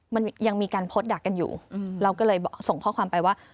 มันยังมีการโพสต์ดักกันอยู่เราก็เลยส่งข้อความไปว่า